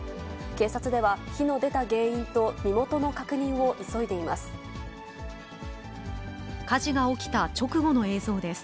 警察は、火の出た原因と身元の確認を急いでいます。